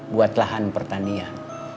buat lahan pertanian